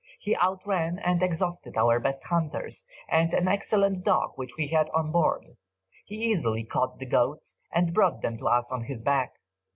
He outran and exhausted our best hunters, and an excellent dog which we had on board; he easily caught the goats, and brought them to us on his back.